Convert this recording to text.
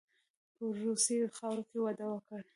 په روسي خاوره کې واده وکړ.